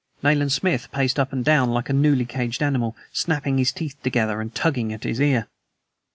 Nayland Smith paced up and down like a newly caged animal, snapping his teeth together and tugging at his ear.